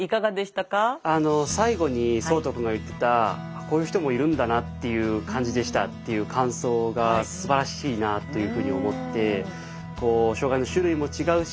最後に聡人くんが言ってた「こういう人もいるんだなっていう感じでした」っていう感想がすばらしいなというふうに思って。